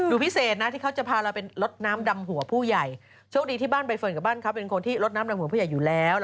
พิเศษนะที่เขาจะพาเราไปลดน้ำดำหัวผู้ใหญ่โชคดีที่บ้านใบเฟิร์นกับบ้านเขาเป็นคนที่ลดน้ำดำหัวผู้ใหญ่อยู่แล้ว